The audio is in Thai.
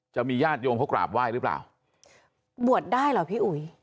จะมีญาติโยมเขากราบไหว้หรือเปล่าบวชได้เหรอพี่อุ๋ย